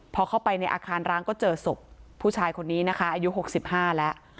พอเข้าไปในอาคารร้างก็เจอศพผู้ชายคนนี้นะคะอายุ๖๕แล้ว